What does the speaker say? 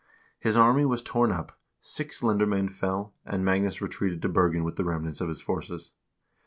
His army was torn up, six lendermcend fell,3 and Magnus retreated to Bergen with the remnants of his forces.